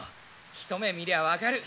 一目見りゃ分かる。